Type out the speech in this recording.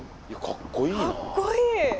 かっこいい。